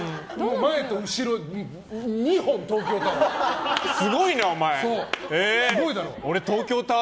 前と後ろに２本、東京タワー。